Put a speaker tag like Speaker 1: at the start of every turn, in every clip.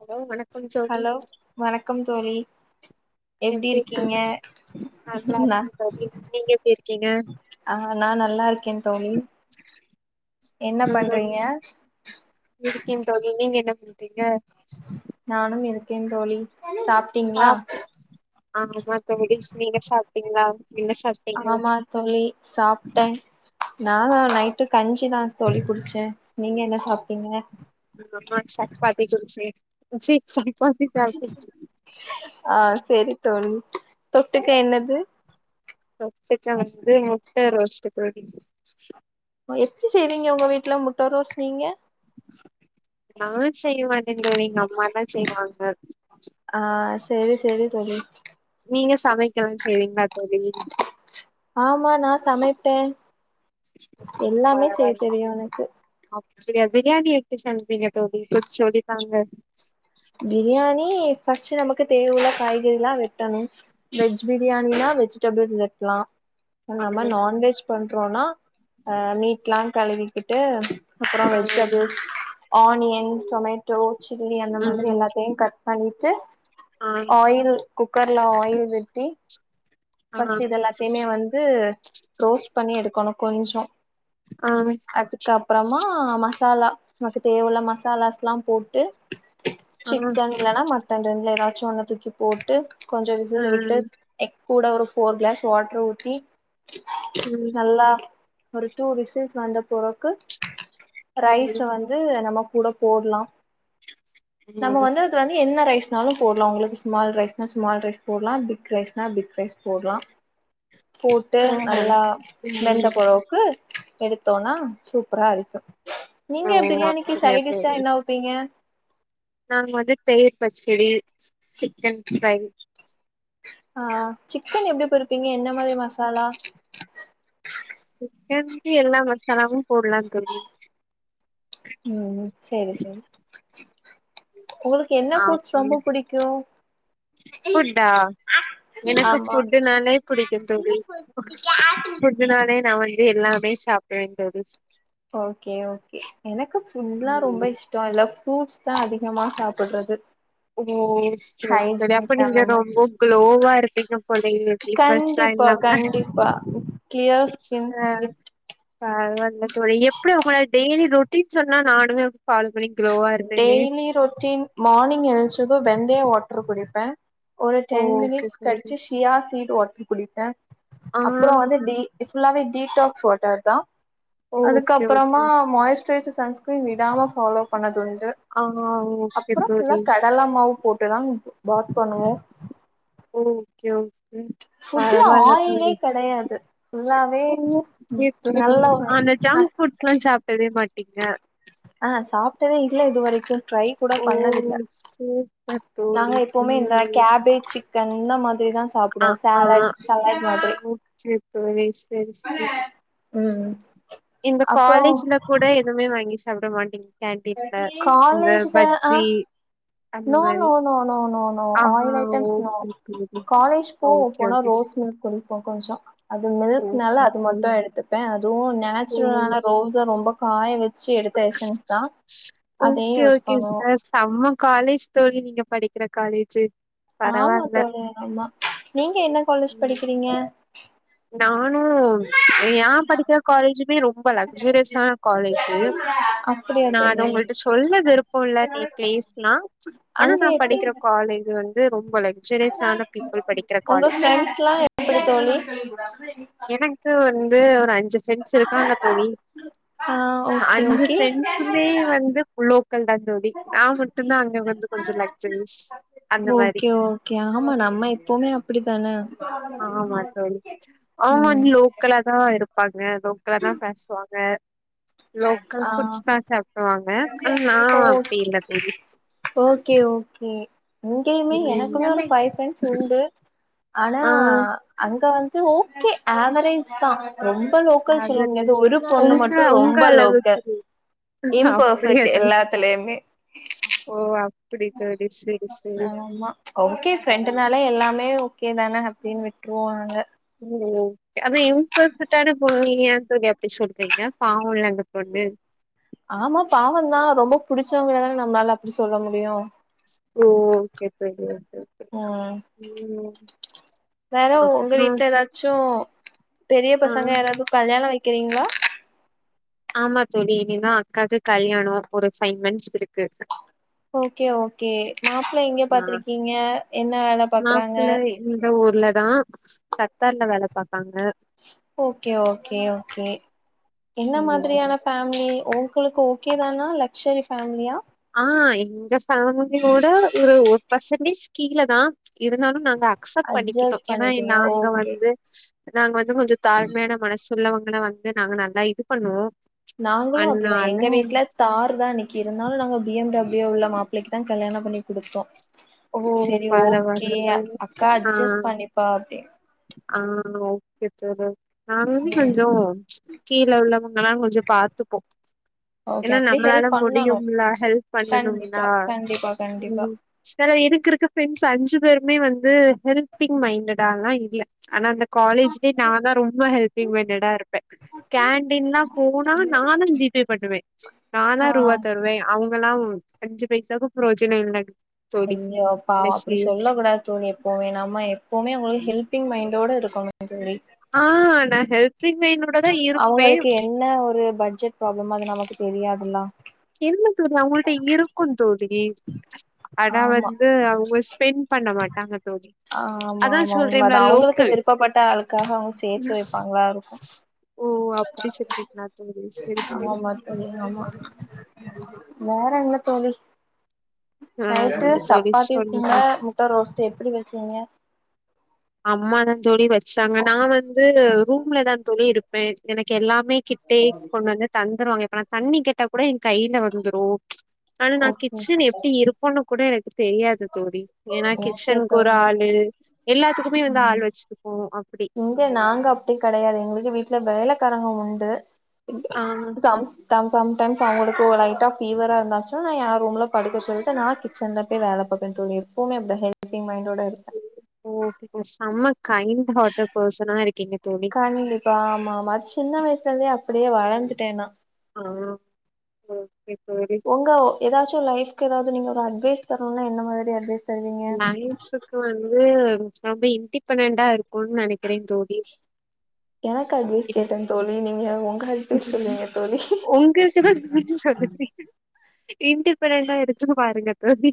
Speaker 1: Hello வணக்கம் தோழி
Speaker 2: hello வணக்கம் தோழி எப்டி இருக்கீங்க
Speaker 1: நல்லா இருக்கே தோழி நீங்க எப்டி இருக்கீங்க
Speaker 2: ஆ நா நல்லா இருக்கேன் தோழி
Speaker 1: செரி செரி
Speaker 2: என்ன பண்றீங்க
Speaker 1: இருக்கே தோழி நீங்க என்ன பண்றீங்க
Speaker 2: நானு இருக்கேன் தோழி சாப்
Speaker 1: சாப்ட்டு ஆ மா தோழி நீங்க சாப்ட்டீங்ளா என்ன சாப்
Speaker 2: ஆமா தோழி சாப்ட்டே நானா நைட்டு கஞ்சிதா தோழி குடிச்சே நீங்க என்ன சாப்ட்டீங்க
Speaker 1: எங்க அம்மா சப்பாத்தி குடிச்சே ச்சி சப்பாத்தி சாப்டே
Speaker 2: ஆ செரி தோழி தொட்டுக்க என்னது
Speaker 1: தொட்டுக வந்து முட்ட ரோஸ்ட் தோழி
Speaker 2: எப்டி செய்வீங்க உங்க வீட்ல முட்ட ரோஸ் நீங்க
Speaker 1: நா செய்ய மாட்டே தோழி எங்க அம்மா தா செய்வாங்க
Speaker 2: ஆ செரி செரி தோழி
Speaker 1: நீங்க சமைக்கலா செய்வீங்களா தோழி
Speaker 2: ஆமா நான் சமைப்பேன்
Speaker 1: பழதான்
Speaker 2: தெரியு
Speaker 1: இரி
Speaker 2: எனக்கு
Speaker 1: அப்டிய பிரியாணி எப்டி சமப்பிங்க தோழி சொல்லி தாங்க
Speaker 2: பிரியாணி ஃபர்ஸ்ட் நமக்கு தேவ உள்ள காய்கறி எல்லா வெட்டணு வெஜ் பிரியாணின்னா வெஜிடபிள்ஸ் வெட்லா நம்ம
Speaker 1: ஆ
Speaker 2: நான்வெஜ் பண்றோன்னா மீட்ல்லா கழுவிக்கிட்டு அப்பறம்
Speaker 1: ஆ
Speaker 2: வெஜிடபிள்ஸ் ஆனியன்
Speaker 1: ஓ
Speaker 2: டொமேட்டோ சில்லி அந்த மாரி எல்லாத்தையும் கட் பண்ணிட்டு ஆயில் குக்கர்ல ஆயில் வெட்டி ஃபர்ஸ்ட் இது எல்லாத்தையுமே வந்து ரோஸ்ட் பண்ணி எடுக்கணு கொஞ்சொ
Speaker 1: ஆ
Speaker 2: அதுக்கப்பறமா மசாலா நமக்கு தேவயுல்ல மசாலாஸ்ல்லா போட்டு சிக்கன் இல்லன்னா மட்டன் ரெண்டுல ஏதாச்சும் ஒண்ண தூக்கி போட்டு கொஞ்சமவிசில் வுட்டு கூட ஒரு ஃபோர் கிளாஸ் வாட்டரு ஊத்தி நல்லா ஒரு டூ விசில்ஸ் வந்த பொறக்கு ரைஸ் வந் நம்ம கூட போடலாம் நம்ம வந்து வந்து என்ன ரைஸ்னாலும் போட்லாம் உங்களுக்கு ஸ்மால் ரைஸ்னா ஸ்மால் ரைஸ் போடலாம் பிக் ரைஸ்னா பிக் ரைஸ் போடலா போட்டு நல்லா மெந்த போறவுக்கு எடுத்தோன்னா சூப்பரா இருக்கும் நீங்க பிரியாணிக்கு
Speaker 1: அப்படியா
Speaker 2: சைட் டிஷா
Speaker 1: தோழி
Speaker 2: என்ன வெப்பீங்க
Speaker 1: நாங்க வந்து தயிர் பச்சடி சிக்கன் ஃப்ரை
Speaker 2: ஆ சிக்கன் எப்டி பொறிப்பீங்க என்ன மாரி மசாலா
Speaker 1: சிக்கனுக்கு எல்லா மசாலாவும் போடலாம் தோழி
Speaker 2: ம் செரி செரி உங்களுக்கு என்ன
Speaker 1: ஆ
Speaker 2: ஃப்ரூட்ஸ் ரொம்ப புடிக்கும்
Speaker 1: ஃபுட்டா எனக்கு
Speaker 2: ஆமா
Speaker 1: ஃபுட்டுனாலே புடிக்கும் தோழி இதனாலே நான் வந்து எல்லாமே சாப்டவே தோழி
Speaker 2: ஓகே ஓகே எனக்கு ஃபுட்ல்லா
Speaker 1: ம்
Speaker 2: ரொம்ப இஷ் டம் இல்ல ஃப்ரூட்ஸ் தான் அதிகமா சாப்பிடடுறது
Speaker 1: ஓ செரி செரி அப்ப நீங்க
Speaker 2: நம்ம
Speaker 1: ரொம்ப குளோவா இருப்பி ங்க போல பிலிபன்ஸ்ல்லா
Speaker 2: கண்டிப்பா
Speaker 1: இல்லமா
Speaker 2: கண்டிப்பா கிளியர் ஸ்கின்
Speaker 1: ஆ
Speaker 2: வித்
Speaker 1: பரவால்ல தோழி எப்டி உங்களோட டெய்லி ரொட்டீன் சொன்ன நானுமே ஃபாலோ பண்ணி க்ளோவா இருப்பேனே
Speaker 2: டெய்லி ரொட்டீன் மார்னிங் எழுச்சது வெந்தய வாட்டரு குடிப்பேன் ஒரு டென்
Speaker 1: ஓகே
Speaker 2: மினிட்ஸ்
Speaker 1: தோழி
Speaker 2: கட்ச்சு ஷியா சீட் வாட்டர் குடிப்பேன்
Speaker 1: ஆ
Speaker 2: அப்றோ வந்து இது ஃபுல்லாவே டீடாக்ஸ் வாட்டர் தான்
Speaker 1: ஓகே ஓகே
Speaker 2: அதுக்கப்புறமா மாயஸ்டரைசர் சன் விடாம ஃபாலோ பண்ணதுண்டு
Speaker 1: ஆ ஓகே
Speaker 2: அப்றோ ஃபுல்ல
Speaker 1: தோழி
Speaker 2: கல்ல மாவு போட்டுதான் பாத் பண்ணுவோ
Speaker 1: ஓ ஓகே ஓகே
Speaker 2: ஃபுட்ல
Speaker 1: பரவால்ல
Speaker 2: ஆயிலே
Speaker 1: இல்ல
Speaker 2: கெடையாது ஃபுல்லாவே
Speaker 1: தோழி
Speaker 2: நல்ல ஒரு
Speaker 1: ஆன ஜ ஃபுட்ஸ்ல்லா சாப்டவே மாட்டீங்க
Speaker 2: ஆ சாப்ட்டதே இல்ல இது வரைக்கு ட்ரை கூட
Speaker 1: ஓ
Speaker 2: பண்ணதில்ல
Speaker 1: சூப்பர்
Speaker 2: நாங்க
Speaker 1: தோழி
Speaker 2: எப்பவுமே இந்த
Speaker 1: ம்
Speaker 2: கேபேஜ் சிக்கன் இந்த மாத் அதேதா
Speaker 1: ஆ
Speaker 2: சாப்டுவோ
Speaker 1: ஆ
Speaker 2: சாலட் சாலட் மாத்ரி
Speaker 1: ஓகே தோழி செரி
Speaker 2: உம்
Speaker 1: செரி
Speaker 2: உம்
Speaker 1: இந்த
Speaker 2: அப்பறோ
Speaker 1: காலேஜ்ல கூட எதுமே வாங்கி சாப்ட மாட்டிங் கேன்டின்ல இந்த
Speaker 2: காலேஜ்ல ஆ
Speaker 1: பஜ்ஜி அந்த
Speaker 2: நோ
Speaker 1: மாரி
Speaker 2: நோ நோ நோ நோ
Speaker 1: ஆஹா!
Speaker 2: ஆயில் ஐட்டம்ஸ் நோ
Speaker 1: ஓகே தோழி.
Speaker 2: காலேஜ் போ
Speaker 1: ஓகே,
Speaker 2: போனா
Speaker 1: ஓகே. ஸ்-
Speaker 2: ரோஸ் மில்க் குடிப்போ கொஞ்சோ அது மில்க்னால
Speaker 1: ஓகே
Speaker 2: அது மட்டு
Speaker 1: தோழி.
Speaker 2: எடுத்து ப்பே அதுவு
Speaker 1: ஓ!
Speaker 2: நேச்சுரலான ரோஸ ரொம்ப காய வெச்சு எடுத்த எசன்ஸ் தா அதையு
Speaker 1: ஓகே
Speaker 2: யூஸ்
Speaker 1: ஓகே
Speaker 2: பண்ணுவோ
Speaker 1: சே செம்ம காலேஜ் தோழி நீங்க படிக்கிற காலேஜ்ஜு
Speaker 2: ஆமா தோழி ஆமா நீங்க என்ன காலேஜ் படிக்கிறீங்க
Speaker 1: நானு ஏ படிக்கிற காலேஜுமே ரொம்ப லக்சுரியஸ்சான காலேஜு
Speaker 2: அப்டியா
Speaker 1: நா அத
Speaker 2: தோழி
Speaker 1: உங்கள்ட்ட சொல்ல விருப்போ இல்ல நீ ப்ளேஸ்னா ஆனா
Speaker 2: அங்க
Speaker 1: நா
Speaker 2: எப்டி
Speaker 1: படிக்கிற வந்து ரொம்ப லக்
Speaker 2: உங்க ஃப்ரெண்ட்ஸ்ல்லா எப்டி தோழி
Speaker 1: எனக்கு வந்து ஒரு அஞ்சு ஃப்ரெண்ட்ஸ் இருக்காங்க தோழி
Speaker 2: ஆ ஓகே
Speaker 1: அஞ்சு ஃப்ரெண்ட்ஸ்சுமே
Speaker 2: ஓகே
Speaker 1: வந்து லோக்கல் தா தோழி நா மட்டுந்தா அங்க வந்து கொஞ்ச லக்சுரியஸ் அந்த மாரி
Speaker 2: கே ஆமா நம்ம எப்பவுமே அப்டித்தான உம்
Speaker 1: க்கலா தா இருப்பாங்க லோக்கலா தா பேசுவாங்க லோக்கல்
Speaker 2: ஆ
Speaker 1: ஃபுட்ஸ் தா சாப்டுவாங்க ஆன நா அப்டி இல்ல தோழி
Speaker 2: ஓகே ஓகே இங்கயுமே
Speaker 1: ம்
Speaker 2: எனக்குமே ஃபைவ் ஃப்ரெண்ட்ஸ் உண்டு ஆன
Speaker 1: ஆ
Speaker 2: அங்க வந்து ஓகே ஆவரேஜ் தா ரொம்ப லோக்கல் சொல்ல முடியாது
Speaker 1: ஆவரேஜ்
Speaker 2: ஒரு பொண்ணு
Speaker 1: உங்க
Speaker 2: மட்டு ரொம்ப்
Speaker 1: உங்க
Speaker 2: ப லோக்க
Speaker 1: அளவுக்கு இல்லை. அப்படியா
Speaker 2: இம்பெர்பெக்ட்
Speaker 1: தோழி
Speaker 2: எல்லாத்துலயுமே
Speaker 1: ஓ அப்
Speaker 2: ஆமா ஓகே
Speaker 1: ம்
Speaker 2: ஃப்ரெண்டுனால எல்லாமே ஓக்கே தானே அப்டின் விட்டுருவோ நாங்க
Speaker 1: [inaudible] அப்போ இம்பர்பெக்ட்டான பொண்ணு நீங்க ஏ தோழி அப்டி சொல்றீங்க பாவல்ல அந்த பொண்ணு
Speaker 2: ஆமா பாவந்தா ரொம்ப புடிச்சவங்கள தான நம்மளால அப்டி சொல்ல முடியு
Speaker 1: ஓ ஓகே தோழி ஓகே ஓகே
Speaker 2: ம்
Speaker 1: உம் அப்ற
Speaker 2: சோ பெரிய பசங்க யாராவது கல்யாண வெக்கிறீங்களா
Speaker 1: ஆமா தோழி இனிதா அக்காவுக்கு கல்யாணோ ஒரு ஃபைவ் மந்த்ஸ் இருக்கு
Speaker 2: ஓகே ஓகே மாப்ள எங்க
Speaker 1: ஆ
Speaker 2: பாத்திருக்கீங்க என்ன வேல பாக்கறாங்க
Speaker 1: மாப்ள இந்த ஊர்ல தா கத்தார்ல வேல பாக்கராங்க
Speaker 2: ஓகே ஓகே ஓகே என்ன
Speaker 1: ம்
Speaker 2: மாத்ரியான ஃபேமிலி ஓங் உங்களுக்கு ஓகே தானா லக்ஸ்சுயரி ஃபேமிலியா
Speaker 1: ஆ எங்க ஃபேமிலியோட ஒரு ஒரு பர்சன்டேஜ் கீழ தா இருந்தாலு நாங்க அக்செப்ட் பண்ணிக்கிட்டோ
Speaker 2: அட்ஜஸ்ட்
Speaker 1: ஏனா இ
Speaker 2: பண்ணிட்டீங்க
Speaker 1: நாங்க
Speaker 2: ஓகே
Speaker 1: வந்து நாங்க வந்து கொஞ்ச தாழ்மையான மனசு உள்ளவங்கள வந்து நாங்க நல்லா இது பண்ணுவோ
Speaker 2: நாங்களு அப்டிதா
Speaker 1: அன்னால
Speaker 2: எங்க வீட்ல தார் தா இன்னைக்கு இருந்தாலு நாங்க பி எம் டபிள்யூ உள்ள மாப்ளைக்கு தா கல்யாண பண்ணி குடுப்போ
Speaker 1: ஓ
Speaker 2: செரி ஓகே
Speaker 1: பரவால்ல தோழி
Speaker 2: அக்கா
Speaker 1: ஆ
Speaker 2: அட்ஜஸ் பண்ணிப்பா அப்டி
Speaker 1: ஆ ஓகே தோழி நாங்களுமே
Speaker 2: ம்
Speaker 1: கொஞ்சோ கீழ உள்ளவங்கல்லா கொஞ்சோ பாத்துப்போ
Speaker 2: ஓகே
Speaker 1: ஏனா
Speaker 2: அப்டியே
Speaker 1: நம்பளால
Speaker 2: ஹெல்ப் பண்ணணு
Speaker 1: முடியும்ல்ல ஹெல்ப் பண்ணனும்னா
Speaker 2: கண்டிப்பா கண்டிப்பா
Speaker 1: உ
Speaker 2: கண்டிப்பா
Speaker 1: செல எதுக்கு இருக்கு ஃப்ரெண்ட்ஸ் அஞ்சு பேருமே வந்து ஹெல்பிங் மைண்டட் ஆலா இல்ல ஆனா அந்த காலேஜ்லயே நா தா ரொம்ப ஹெல்பிங் மைன்டடா இருப்ப கேன்டீன்லா போனா நானு ஜிபே பண்ணுவே நாந்தா
Speaker 2: ஆ
Speaker 1: ரூவா தருவே அவுங் இவல்லா அஞ்சு பைசாக்கு புரோஜனோ இல்ல தோழி
Speaker 2: ஐயோ பாவோ
Speaker 1: நெக்ஸ்ட்
Speaker 2: அப்டி சொல்ல கூடாத் தோழி போமே நாம எப்பவுமே ஒரு ஹெல்பிங் மைண்டோட இருக்கனு தோழி
Speaker 1: ஆ நா ஹெல்பிங் மைன்டோட தா இருப்பே
Speaker 2: அவங்களுக்கு என்ன ஒரு பட்ஜெட் ப்ராப்ளம் அது நமக்கு தெரியாதுல்ல
Speaker 1: என்ன தோழி அவங்கள்ட இருக்கு தோழி ஆனா
Speaker 2: ஆமா
Speaker 1: வந்து அவுங்க ஸ்பெண் பண்ண மாட்டாங்க தோழி
Speaker 2: ஆமா
Speaker 1: அதா
Speaker 2: ஆமா உண்ம
Speaker 1: சொல்றேன்ல
Speaker 2: தா அவுங்களுக்கு
Speaker 1: லோக்கல்
Speaker 2: விருப்பப்பட்டா ஆளுக்காக அவுங்க சேத்து வெப்பாங்ளா இருக்கு
Speaker 1: ஓ அப்டி சொல்றீங்களா தோழி செரி
Speaker 2: ஆமா
Speaker 1: செரி
Speaker 2: ஆமா தோழி ஆமா வேற என்ன தோழி
Speaker 1: ஆ
Speaker 2: நைட்டு
Speaker 1: நீங்க தோழி
Speaker 2: சப்பாத்தி
Speaker 1: சொல்லுங்க
Speaker 2: குர்மா முட்ட ரோஸ்ட்டு எப்டி வச்சிங்க
Speaker 1: அம்மா தா தோழி வெச்சாங்க நா வந்து ரூம்ல தா தோழி இருப்பே எனக்கு எல்லாமே கிட்டே கொண்டு வந்து தந்துருவாங்க இப்ப நா தண்ணி கேட்டா கூட எ கையில வந்துரு ஆனா நா
Speaker 2: ஓகே
Speaker 1: கிச்சன் எப்டி இருக்குனு கூட எனக்கு தெரியாது தோழி ஏனா
Speaker 2: ஓகே
Speaker 1: கிச்சன்க்கு ஒரு
Speaker 2: தோழி
Speaker 1: ஆளு
Speaker 2: ஓகே
Speaker 1: எல்லாத்துக்குமே வந்து ஆள் வச்சிருக்கோ அப்டி
Speaker 2: இங்க நாங்க அப்டி கெடையாது எங்களுக்கு வீட்ல வேலக்காரங்க உண்டு
Speaker 1: ஆ
Speaker 2: சமச் சம் சம் டைம்ஸ் அவுங்களுக்கு ஒரு லைட்டா ஆ ஃபீவரா இருந்தாச்சா எ ரூம்ல படுக்க சொல்லிட்டு நா கி ச்சன்ல பேய் வேல பாப்பே தோழி எப்பவுமே அப்டிதா ஹெல்பி்ங் மைண்டோட இருப்ப
Speaker 1: ஓகே செம்ம கைண்ட் ஹாட்டு பெசனா இருக்கீங்க தோழி
Speaker 2: கண்டிப்பா ஆமா ஆமா அது சின்ன வயசுல இருந்தே அப்டியே வளந்துட்டே நா
Speaker 1: ஆ ஓகே தோழி
Speaker 2: ஒங்கோ எதாச்சு லைஃப்க்கு ஏதாவது நீங்க ஒரு அட்வைஸ் தரனுனா என்ன மாரி அட்வைஸ் தருவீங்க
Speaker 1: லைஃப்புக்கு வந்து ரொம்ப இன்டிபெண்டன்டா இருக்குனு நெனைக்கிறே தோழி
Speaker 2: எனக்கு அட்வைஸ்
Speaker 1: இன்-
Speaker 2: கேட்டே தோழி நீங்க உங்க அட்வைஸ் சொல்வீங்க தோழி
Speaker 1: ஒங்களுக்கு தா [unintelligible] சொன்னே இன்டிப்பென்டன்டா இருக்குனு பாருங்க தோழி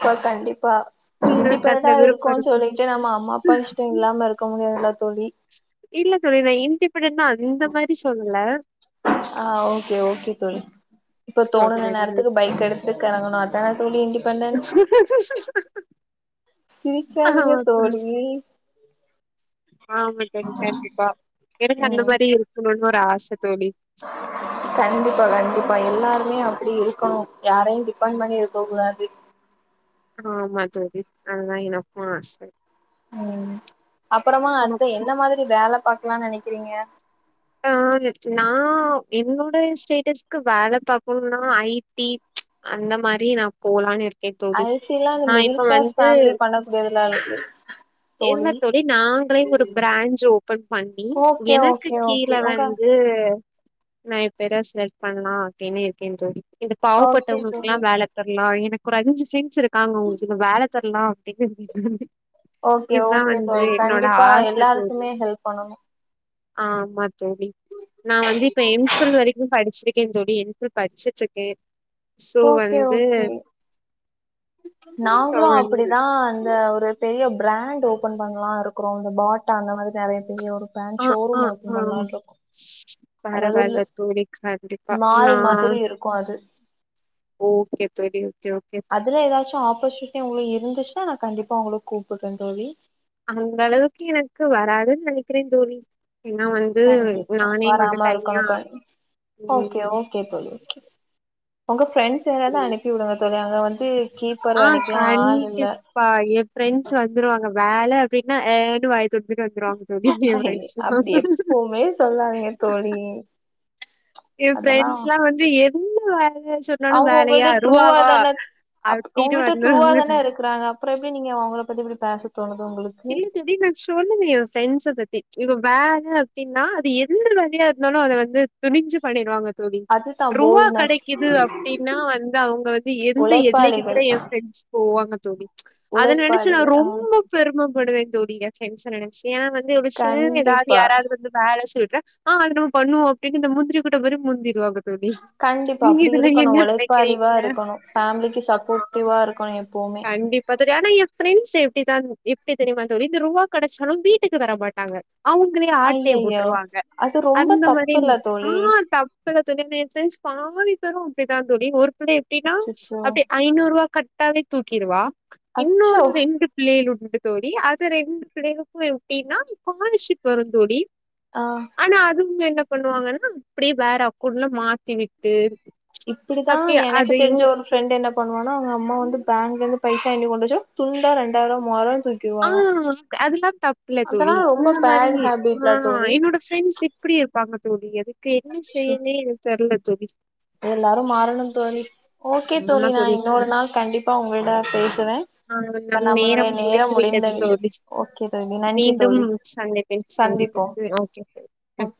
Speaker 2: பா கண்டிப்பா
Speaker 1: உங்களுக்கு அதுல
Speaker 2: இண்டிபென்டன்டா இருக்கு
Speaker 1: விருப்பம்
Speaker 2: சொல்லிட்டு நம்ம அம்மா அப்பா இஷ்டம் இல்லாம இரு க்க முடியல தோழி
Speaker 1: இல்ல தோழி நா இன்டிபெண்டன்னா இந்த மாரி சொல்லல
Speaker 2: ஆ ஓகே ஓகே தோழி இப்ப தோனன
Speaker 1: சொல்றேன் தோழி.
Speaker 2: நேரத்துக்கு பைக் எடுத் து அடங்கனு அதா தோழி இண்டி சிரிக்காதீங்க தோழி
Speaker 1: ஆமா தோழி கண்டிப்பா எனக்கு அந்த
Speaker 2: ம்
Speaker 1: மாரி இருக்கனுன் ஒரு ஆச தோழி
Speaker 2: கண்டிப்பா கண்டிப்பா எல்லாருமே அப்டி இருக்கனு யாரையு டிப்பன் பண்ணி இருக்க கூடாது
Speaker 1: ஆமா தோழி அந்த மாரி எக்கப்போ
Speaker 2: உ அப்பறமா அடுத்த என்ன மாரி வேல பாக்கலாம்னு நனைக்கிறீங்க
Speaker 1: ஆ எப் நா என்னோட ஸ்டேட்டஸ்க்கு வேல பக்கணும்னா ஐ டி ச் அந்த மாரி நா போலானு இருக்கே தோழி நா இப்ப வந்து
Speaker 2: இதுல்லா இருக்கு
Speaker 1: என்ன தோழி நாங்களே ஒரு பிராஞ்ச் ஓப்பன் பண்ணி
Speaker 2: ஓகே
Speaker 1: எனக்கு
Speaker 2: ஓகே
Speaker 1: கீழ
Speaker 2: ஓகே உங்க
Speaker 1: வந்து நா இப்பரா செலக்ட் பண்ணலா அப்டின்னு இருக்கேன்னு தோழி இந்த
Speaker 2: ஓகே தோழி
Speaker 1: பாவப்பட்டவங்களுக்குலா வேல தரலா எனக்கு ஒரு அஞ்சு ஃப்ரெண்ஸ் இருக்காங்க உங்களுக்கு இந்த வேல தரலா அப்டின்னுந்து
Speaker 2: ஓகே
Speaker 1: இதுதா
Speaker 2: ஓகே
Speaker 1: வந்து
Speaker 2: தோழி
Speaker 1: என்னோட
Speaker 2: கண்டிப்பா
Speaker 1: ஆச தோழி
Speaker 2: எல்லாருக்குமே ஹெல்ப் பண்ணணு
Speaker 1: ஆ ஆமா தோழி நா வந்து இப்ப எம் ஃபில் வரைக்கு படிச்சிருக்கே தோழி எம் ஃபில் படிச்சுட்ருக்கே சோ
Speaker 2: ஓகே
Speaker 1: வந்து
Speaker 2: ஓகே
Speaker 1: ஆ
Speaker 2: நாங்களு அப்டி
Speaker 1: வந்து
Speaker 2: தா அந்த ஒரு பெரிய பிராண்ட் ஓபன் பண்ணலா இருக்கிறோ இந்த பாட்டா அந்த மாரி நெறைய பெரிய ஒரு பேங்க் ஷோரூ ஓபன் பண்லான்ருக்கோ
Speaker 1: பார கால்ல தூவீ கண்டிப்பா
Speaker 2: மால்
Speaker 1: நா
Speaker 2: மாதிரி இருக்கு அது
Speaker 1: ஓகே தோழி ஓகே ஓகே
Speaker 2: அப்பரே ஏதாச்சு ஆப்பர்ச்சுனிட்டி உங்களுக்கு இருந்துச்சுன்னா நா கண்டிப்பா உங்களுக்கு கூப்பிட்ரோ தோழி
Speaker 1: அந்த அளவுக்கு எனக்கு வராதுன்னு நனைக்கிறே தோழி என்னா வந்
Speaker 2: கண்டிப்பா வராம இருக்கணு கன்
Speaker 1: ம்
Speaker 2: ஓகே ஓகே தோழி ஒங்க ஃப்ரெண்ஸ் யாராது அனுப்பி விடுங்க தோழி அங்க வந்து கீப்பர் வேலைக்குலா ஆள் இல்ல
Speaker 1: அப்பா எ ஃபிரெண்ஸ் வந்துருவாங்க வேல அப்டின்னா ஏன்ன வாய தொரந்துட்டு வந்துருவாங்க எப்படி
Speaker 2: அப்டி
Speaker 1: இருக்
Speaker 2: எப்பவுமே சொல்லாதீங்க தோழி
Speaker 1: [unintelligible] எ
Speaker 2: அதெல்லா
Speaker 1: ஃபிரெண்ஸ்லா வந்து எந்த வேலயா சொ
Speaker 2: அவங்க உங்கள்ட்ட ட்ரூவா தான அ
Speaker 1: அப்டின்னு
Speaker 2: உங்கள்ட்ட ட்ரூவா
Speaker 1: வந்துருவாங்க
Speaker 2: தான
Speaker 1: தோழி
Speaker 2: இருக்கறாங்க அப்புற எப்படி நீங்க அவங்கள பத்தி எப்டி பேச தோணுது உங்களுக்கு
Speaker 1: இ எ வீட்ல ந சொல்லலயே எ ஃப்ரெண்ஸ பத்தி இவ வேவ அப்டின்னா அது எந்த வேலயா இருந்தாலு அத வந்து துணிஞ்சு பண்ணிருவாங்க தோழி
Speaker 2: அதுதா
Speaker 1: ருவா
Speaker 2: போல்ட்னஸ்
Speaker 1: கிடைக்குது அப்டின்னா வந்து அவங்க வந்து எந்த எல்லைக்கு கூட
Speaker 2: உழைப்பாளிகள்
Speaker 1: எ ஃப்ரண்ஸ் போவங்க தோழி அத நனைச்சு நா
Speaker 2: உழைப்பாளிகள் ஆ
Speaker 1: ரொம்ப பெருமப்படுவே தோழி எ ஃப்ரன்ஸ நெனச்சு ஏனா வந்து ஒரு சின்ன எதாவ்து
Speaker 2: கண்டிப்பா
Speaker 1: யாரவது வந்து வேல சொல்ற ஆ அது நம்ம பண்ணுவோ அப்படினு இந்த முந்திரி கொட்ட மாரி முந்திருவாங்க தோழி
Speaker 2: கண்டிப்பா
Speaker 1: நீங்க
Speaker 2: அப்டி
Speaker 1: இதுல
Speaker 2: இருக்கணு
Speaker 1: என்ன
Speaker 2: உழைப்பாளிவா
Speaker 1: நெனைக்கிறீங்க
Speaker 2: இருக்கணு ஃபேமிலிக்கு சப்போட் டிவா இருக்கனு எப்பவுமே
Speaker 1: பாத்துட்டே ஆனா எ ஃப்ரெண்ஸ் எப்டிதா எப்டி தெரியமா தோழி இந்த ருவா கெடச்சாலு வீட்டுக்கு தர மாட்டாங்க அவங்களே ஆட்டய
Speaker 2: ஐயய்யோ
Speaker 1: போட்ருவாங்க
Speaker 2: அது ரொம்ப
Speaker 1: அந்த மாரின்
Speaker 2: தப்புல்ல
Speaker 1: ஆ
Speaker 2: தோழி
Speaker 1: தப் சோல தோழி நேத்து ஸ்பாதி வரு அப்டிதா தோழி ஒரு பிள்ள எப்டினா
Speaker 2: அச்சச்சோ
Speaker 1: அப்டி ஐநூரூவா கட்டாவே தூக்கிருவா
Speaker 2: அச்சோ
Speaker 1: இன்னொரு ரெண்டு பிள்ளேள் உண்டு தோழி அது ரெண்டு பிள்ளேளுக்கு எப்டினா ஸ்காலஷ்ஷிப் வரு தோழி
Speaker 2: ஆ
Speaker 1: ஆனா அதுவங்க என்ன பண்ணுவாங்கன்னா அப்படியே வேற அக்கௌண்ட்ல மாத்தி விட்டு
Speaker 2: இப்டிதா
Speaker 1: அப்டியே
Speaker 2: எனக்கு
Speaker 1: அதையு
Speaker 2: தெரிஞ்ச ஒரு ஃபிரெண்ட் என்ன பண்ணுவானா அவங்க அம்மா வந்து பேங்க்ல இருந்து பைசா என்னி கொண்டுட்டு துண்டா ரெண்டாயிரோ மூஆய்ரோ
Speaker 1: ஆ அதுலா தப்புல தோழி
Speaker 2: அதெல்லா ரொம்ப
Speaker 1: இந்த மாரி
Speaker 2: பேட் ஹேபிட்ல
Speaker 1: ஆ
Speaker 2: தோழி
Speaker 1: என்னோட ஃப்ரெண்ஸ் இப்டி இருப்பாங்க தோழி அதுக்கு என்ன
Speaker 2: சி
Speaker 1: செய்யனே எனக்கு தெர்ல தோழி
Speaker 2: எல்லாரு மாறணு தோழி ஓகே தோழி நா இன்னொரு நாள் கண்டிப்பா உங்கள்ட்ட பேசுவே இப்ப
Speaker 1: நம்மளுக்கான நேரம்
Speaker 2: நம்மளுடைய
Speaker 1: முடிந்து விட்டது
Speaker 2: முடிந்தது
Speaker 1: தோழி
Speaker 2: ஓகே தோழி நன்றி
Speaker 1: மீண்டும்
Speaker 2: தோழி
Speaker 1: சந்திப்
Speaker 2: சந்திப்போம்
Speaker 1: ஓகே ஃபைன்
Speaker 2: ஓகே